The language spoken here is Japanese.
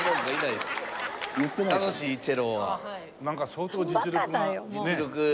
なんか相当実力が。